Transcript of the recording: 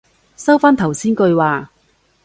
收返頭先句話